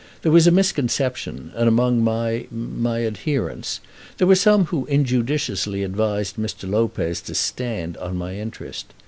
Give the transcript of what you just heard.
There was a misconception, and among my, my adherents, there were some who injudiciously advised Mr. Lopez to stand on my interest.